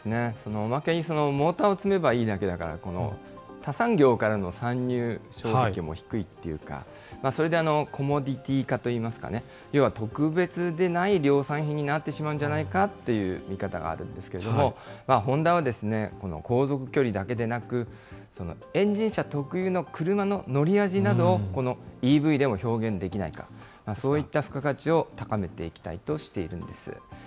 おまけにモーターを積めばいいなんていうのは、他産業からの参入も低いというか、それでコモディティ化といいますかね、要は特別でない量産品になってしまうんじゃないかっていう見方があるんですけれども、ホンダはこの航続距離だけでなく、エンジン車特有の車の乗り味などを、このＥＶでも表現できないか、そういった付加価値を高めていきたいとしているんです。